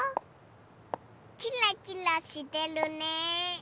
キラキラしてるね。